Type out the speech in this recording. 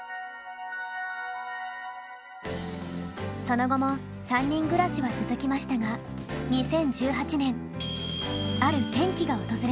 その後も３人暮らしは続きましたが２０１８年ある転機が訪れます。